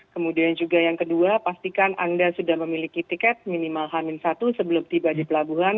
kemudian juga yang kedua pastikan anda sudah memiliki tiket minimal hamil satu sebelum tiba di pelabuhan